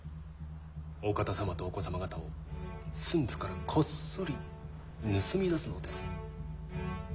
お方様とお子様方を駿府からこっそり盗み出すのです。